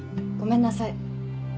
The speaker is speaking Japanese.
ごめんなさい。